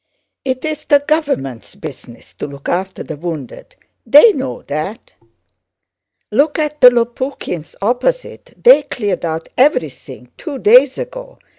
It's the government's business to look after the wounded; they know that. Look at the Lopukhíns opposite, they cleared out everything two days ago.